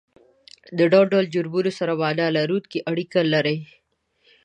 د ډول ډول جرمونو سره معنا لرونکې اړیکه لري